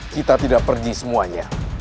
kita tidak pergi semuanya